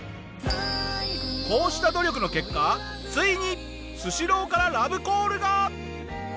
こうした努力の結果ついにスシローからラブコールが！